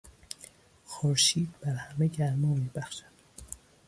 خورشید بر همه گرما میبخشد.